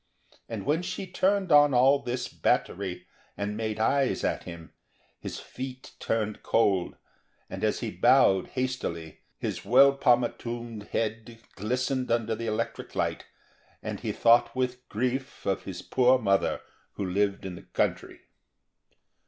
And when she turned on all this battery and made eyes at him, his feet turned cold, and, as he bowed hastily, his well pomatumed head glistened under the electric light, and he thought with grief of his poor mother who lived in the country.